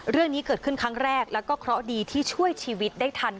เรื่องนี้เกิดขึ้นครั้งแรกแล้วก็เคราะห์ดีที่ช่วยชีวิตได้ทัน